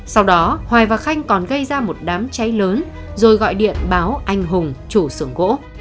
sau đó hoài và khanh còn gây ra một đám cháy lớn rồi gọi điện báo anh hùng chủ xưởng gỗ